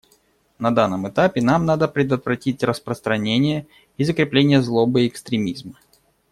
На данном этапе нам надо предотвратить распространение и закрепление злобы и экстремизма.